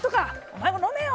お前も飲めよ！